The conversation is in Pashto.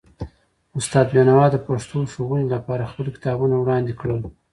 استاد بینوا د پښتو ښوونې لپاره خپل کتابونه وړاندې کړل.